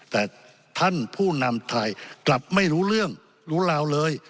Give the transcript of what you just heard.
แต่ท่านผู้นำไทยกลับไม่รู้เรื่องรู้ราวเลย